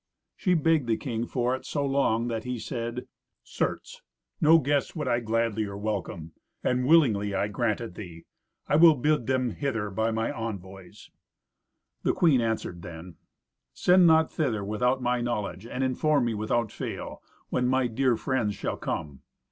She begged the king for it so long that he said, "Certes! no guests would I gladlier welcome, and willingly I grant it thee. I will bid them hither by my envoys." The queen answered then, "Send not thither without my knowledge, and inform me, without fail, when my dear friends shall come.